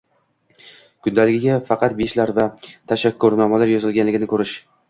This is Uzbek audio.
kundaligida faqat beshlar va tashakkurnomalar yozilganligini ko‘rish